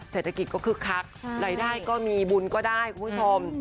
เศรษฐกิจก็คึกคักรายได้ก็มีบุญก็ได้คุณผู้ชม